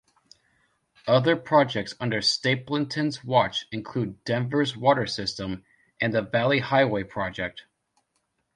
Other projects under Stapleton's watch include Denver's water system and the Valley Highway project.